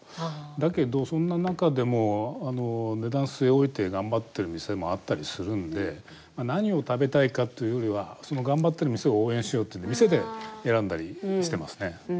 だけどそんな中でも値段据え置いて頑張ってる店もあったりするんで何を食べたいかっていうよりはその頑張ってる店を応援しようっていうんで店で選んだりしてますね。